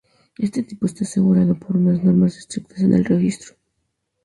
Este tipo está asegurado por unas normas estrictas en el registro.